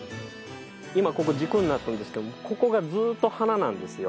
今ここ軸になっとるんですけどもここがずっと花なんですよ。